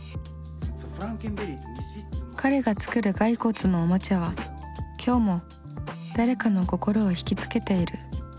彼が作る骸骨のおもちゃは今日も誰かの心を引き付けている。